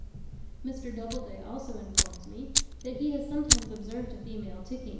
Mr. Doubleday also informs me that he has sometimes observed a female ticking (80.